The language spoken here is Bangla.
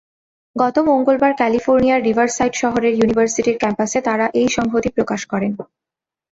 গত মঙ্গলবার ক্যালিফোর্নিয়ার রিভারসাইড শহরের ইউনিভার্সিটির ক্যাম্পাসে তাঁরা এই সংহতি প্রকাশ করেন।